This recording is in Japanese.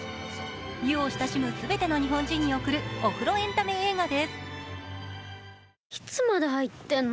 湯を親しむ全ての日本人に贈るお風呂エンタメ映画です。